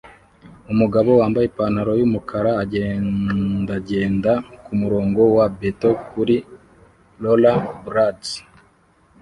Umugabo wambaye ipantaro yumukara agendagenda kumurongo wa beto kuri rollerblades